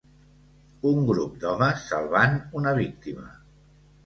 Un grup d'homes salvant una víctima.